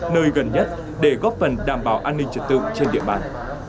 nơi gần nhất để góp phần đảm bảo an ninh trật tự trên địa bàn